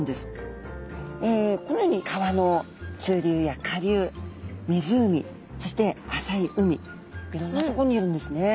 このように川の中流や下流湖そして浅い海いろんなとこにいるんですね。